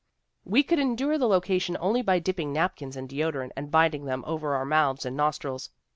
1 'We could endure the location only by dipping napkins in deodorant and binding them over our mouths and nostrils.